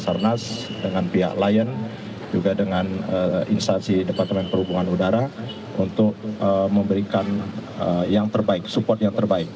basarnas dengan pihak lion juga dengan instansi departemen perhubungan udara untuk memberikan yang terbaik support yang terbaik